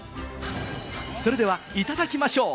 それでは、いただきましょう。